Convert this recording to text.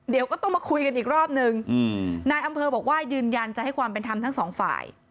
เดี๋ยวก็ต้องมาคุยกันอีกรอบนึงนายอำเภอบอกว่ายืนยันจะให้ความเป็นธรรมทั้งสองฝ่าย